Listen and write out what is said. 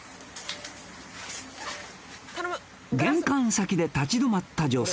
玄関先で立ち止まった女性